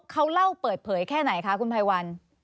เขาเล่าเปิดเผยแค่ไหนคะคุณภัยวัน